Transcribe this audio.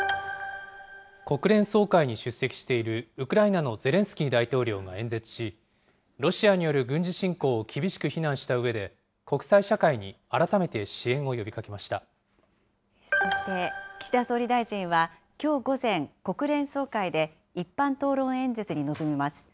国連総会に出席している、ウクライナのゼレンスキー大統領が演説し、ロシアによる軍事侵攻を厳しく非難したうえで、国際社会に改めてそして、岸田総理大臣はきょう午前、国連総会で一般討論演説に臨みます。